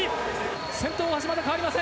先頭は変わりません。